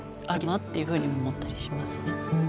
っていうふうに思ったりしますね。